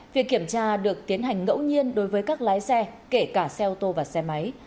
việc kiểm tra được tiến hành ngẫu nhiên đối với các lái xe kể cả xe ô tô và xe máy